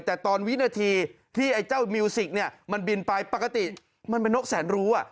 แต่ตอนวินาทีที่ไอ้เจ้ามิวสิกเนี่ยมันบินไปปกติมันเป็นนกแสนรู้